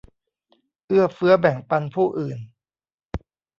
เอื้อเฟื้อแบ่งปันผู้อื่น